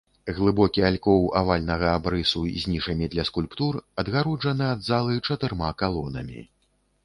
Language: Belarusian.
Глыбокі алькоў авальнага абрысу з нішамі для скульптур адгароджаны ад залы чатырма калонамі.